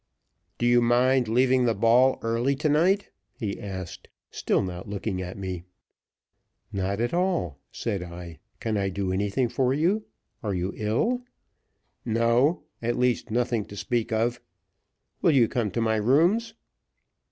"Do you mind leaving the ball early to night?" he asked, still not looking at me. "Not at all," said I. "Can I do anything for you? Are you ill?" "No at least nothing to speak of. Will you come to my rooms?"